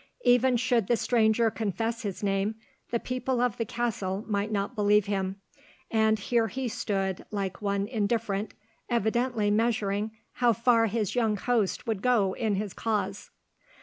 Even should the stranger confess his name, the people of the castle might not believe him; and here he stood like one indifferent, evidently measuring how far his young host would go in his cause.